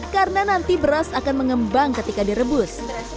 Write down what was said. dan nanti beras akan mengembang ketika direbus